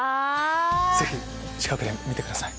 ぜひ近くで見てください。